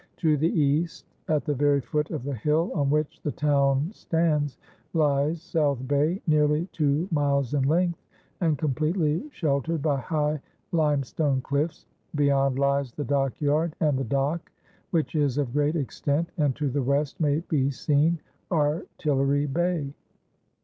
To the east, at the very foot of the hill on which the town stands, lies South Bay, nearly two miles in length, and completely sheltered by high limestone cliffs. Beyond lies the dockyard, and the dock, which is of great extent; and to the west may be seen Artillery Bay.